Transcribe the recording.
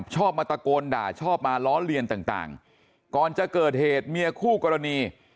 ชอบมาตะโกนด่าชอบมาล้อเลียนต่างก่อนจะเกิดเหตุเมียคู่กรณี